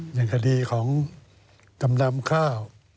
อย่างคดีของจำนำข้าว